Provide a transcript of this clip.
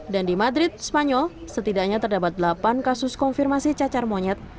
dan di madrid spanyol setidaknya terdapat delapan kasus konfirmasi cacar monyet